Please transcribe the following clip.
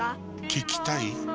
聞きたい？